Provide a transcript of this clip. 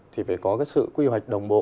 thì phải có cái sự quy hoạch đồng bộ